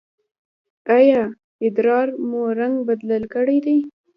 ایا ادرار مو رنګ بدل کړی دی؟